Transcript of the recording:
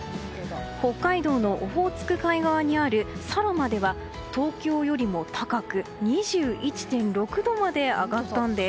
北海道のオホーツク海側にある佐呂間では東京よりも高く２１．６度まで上がったんです。